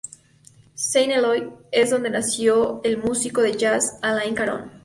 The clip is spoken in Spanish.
Saint-Éloi es donde nació el músico de jazz Alain Caron.